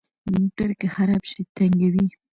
موټر که خراب شي، تنګوي.